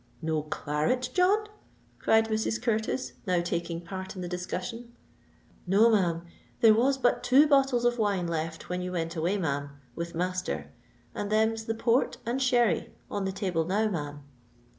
"No claret, John?" cried Mrs. Curtis, now taking part in the discussion. "No ma'am. There was but two bottles of wine left when you went away, ma'am—with master—and them's the Port and Sherry on the table now ma'am."